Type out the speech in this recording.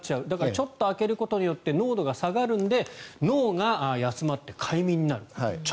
ちょっと開けることによって濃度が下がるので脳が休まって快眠になる。